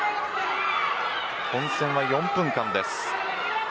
本戦は４分間です。